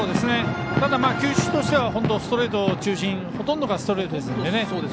ただ、球種としてはストレート中心ほとんどがストレートですので。